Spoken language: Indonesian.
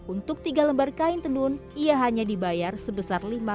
untuk tiga lembar kain tenun ia hanya dibayar sebesar lima ratus ribu rupiah